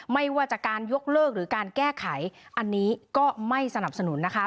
ไม่ว่าจากการยกเลิกหรือการแก้ไขอันนี้ก็ไม่สนับสนุนนะคะ